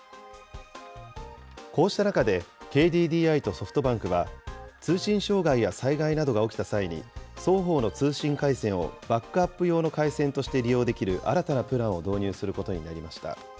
こうした中で、ＫＤＤＩとソフトバンクは、通信障害や災害などが起きた際に、双方の通信回線をバックアップ用の回線として利用できる新たなプランを導入することになりました。